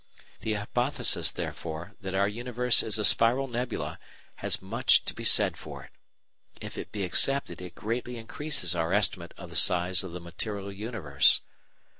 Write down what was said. The hypothesis, therefore, that our universe is a spiral nebula has much to be said for it. If it be accepted it greatly increases our estimate of the size of the material universe.